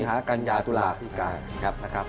หากัญญาตุลาพิการนะครับ